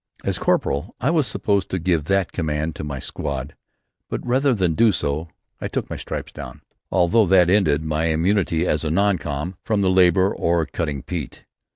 As corporal I was supposed to give that command to my squad but rather than do so I took my stripes down, although that ended my immunity as a "non com" from the labour of cutting peat.